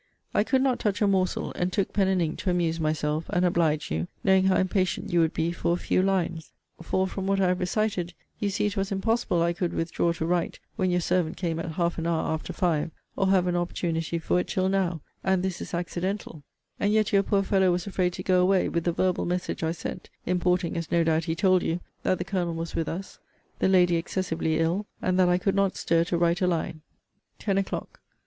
I could not touch a morsel; and took pen and ink to amuse myself, and oblige you; knowing how impatient you would be for a few lines: for, from what I have recited, you see it was impossible I could withdraw to write when your servant came at half an hour after five, or have an opportunity for it till now; and this is accidental; and yet your poor fellow was afraid to go away with the verbal message I sent; importing, as no doubt he told you, that the Colonel was with us, the lady excessively ill, and that I could not stir to write a line. TEN O'CLOCK.